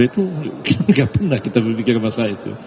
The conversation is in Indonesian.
itu tidak pernah kita berpikir masalah itu